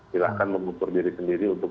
silahkan mengukur diri sendiri untuk